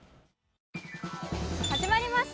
始まりました。